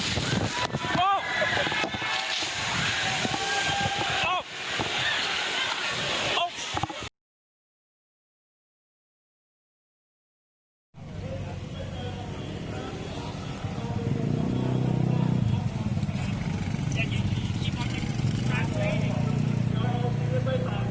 เดี๋ยวเราไปสามารถฝืนรัฐมือนะครับ